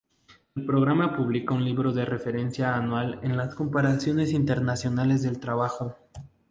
El programa publica un libro de referencia anual de las comparaciones internacionales del trabajo.